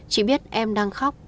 chị biết em đang khóc